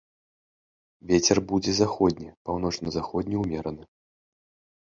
Вецер будзе заходні, паўночна-заходні ўмераны.